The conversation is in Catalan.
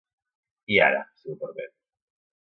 I ara, si m'ho permet.